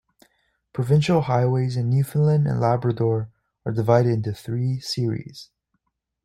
Provincial highways in Newfoundland and Labrador are divided into three series.